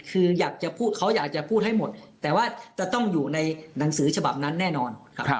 คือเขาอยากจะพูดให้หมดแต่ว่าจะต้องอยู่ในหนังสือฉบับนั้นแน่นอน